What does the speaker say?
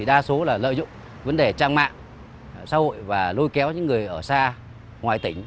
đa số là lợi dụng vấn đề trang mạng xã hội và lôi kéo những người ở xa ngoài tỉnh